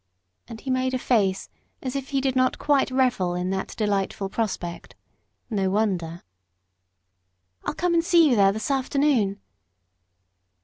And he made a face as if he did not quite revel in that delightful prospect. No wonder! "I'll come and see you there this afternoon."